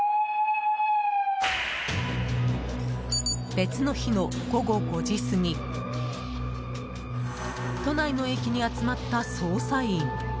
別の日の午後５時過ぎ都内の駅に集まった捜査員。